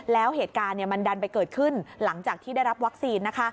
แล้วเหตุการณ์มันดันไปเกิดขึ้นหลังจากที่ได้รับวัคซีน